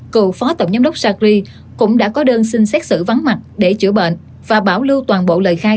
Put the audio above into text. cựu phó tổng giám đốc sacri cũng đã có đơn xin xét xử vắng mặt để chữa bệnh và bảo lưu toàn bộ lời khai